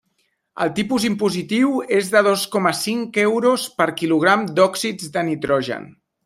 El tipus impositiu és de dos coma cinc euros per quilogram d'òxids de nitrogen.